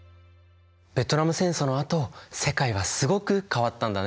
ベトナム戦争のあと世界はすごく変わったんだね。